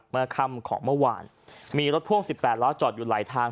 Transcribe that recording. เมื่อค่ำของเมื่อวานมีรถพ่วงสิบแปดล้อจอดอยู่หลายทาง